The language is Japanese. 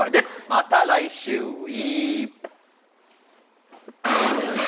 また来週、ＷＥ。